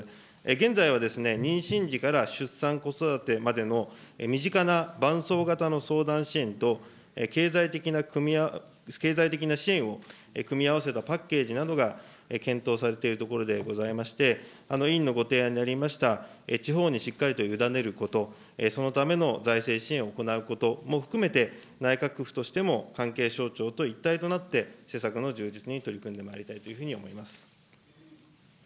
現在は妊娠時から出産、子育てまでの身近な伴走型の相談支援と、経済的な支援を組み合わせたパッケージなどが検討されているところでございまして、委員のご提案にありました、地方にしっかりと委ねること、そのための財政支援を行うことも含めて、内閣府としても、関係省庁と一体となって、施策の充実に取り組んでまいりたいというふうに思います。